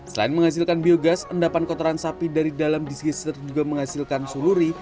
selain menghasilkan biogas endapan kotoran sapi dari dalam disgister juga menghasilkan suluri